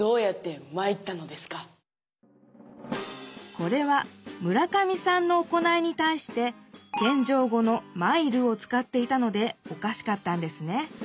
これは村上さんの行いにたいしてけんじょう語の「参る」を使っていたのでおかしかったんですね。